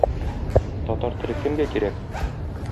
Татар теле кемгә кирәк?